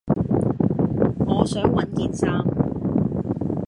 我想搵件衫